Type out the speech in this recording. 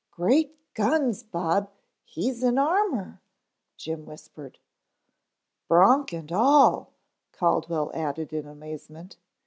"Great Guns, Bob, he's in armor," Jim whispered. "Bronc and all," Caldwell added in amazement.